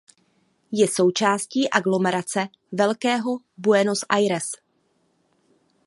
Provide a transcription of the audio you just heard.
Je součástí aglomerace Velkého Buenos Aires.